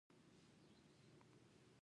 مس د افغان کلتور سره تړاو لري.